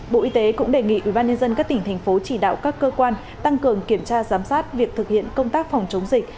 bộ y tế cũng đề nghị ubnd các tỉnh thành phố chỉ đạo các cơ quan tăng cường kiểm tra giám sát việc thực hiện công tác phòng chống dịch